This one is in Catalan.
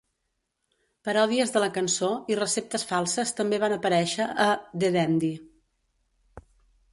Paròdies de la cançó i receptes falses també van aparèixer a "The Dandy".